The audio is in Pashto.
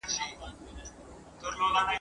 د ښکاري د تور په منځ کي کښېنستلې ..